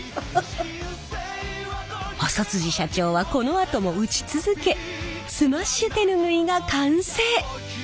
細社長はこのあとも打ち続けスマッシュ手ぬぐいが完成。